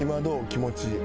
気持ち。